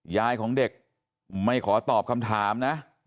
ยายของเด็กไม่ขอตอบคำถามนะ